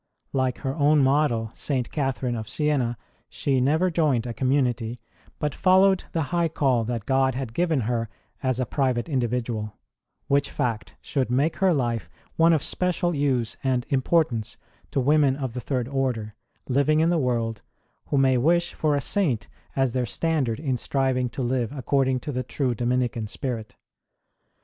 Like her own model, St. Cathe rine of Siena, she never joined a community, but followed the high call that God had given her as a private individual ; which fact should make her life one of special use and importance to women of the Third Order ; living in the world, who may wish for a Saint as their standard in striving to live according to the true Dominican spirit.